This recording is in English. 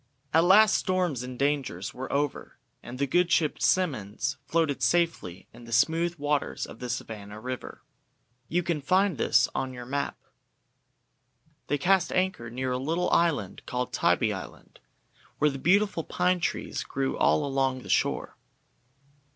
AT last storms and dangers were over, and the good ship "Simmonds" floated safely in the smooth waters of the Savannah river. You can find this on your map. They cast anchor near a little island called Tybee Island, where beautiful pine trees grew all along the shore.